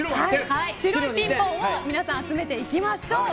白いピンポンを皆さん集めていきましょう。